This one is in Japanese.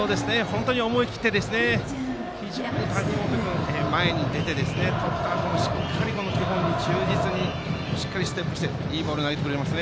思い切って非常に谷本君前に出てとったあともしっかり基本に忠実にしっかりステップしていいボールを投げてくれました。